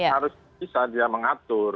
harusnya bisa dia mengatur